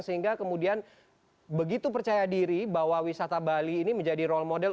sehingga kemudian begitu percaya diri bahwa wisata bali ini menjadi role model